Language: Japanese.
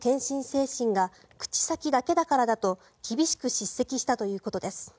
精神が口先だけだからだと厳しく叱責したということです。